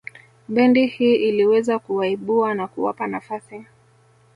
Bendi hii iliweza kuwaibua na kuwapa nafasi